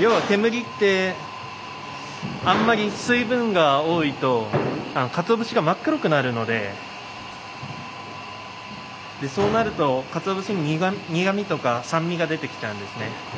要は煙ってあんまり水分が多いとかつお節が真っ黒くなるのででそうなるとかつお節に苦みとか酸味が出てきちゃうんですね。